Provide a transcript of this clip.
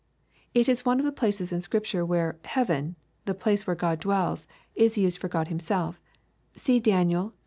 It is one of the places in Scripture where "heaven," the place where God dwells, is used for God Himself See Daniel iv.